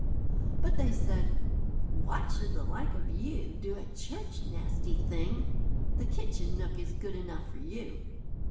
But they said: "What should the like of you do at church, nasty thing? The kitchen nook is good enough for you."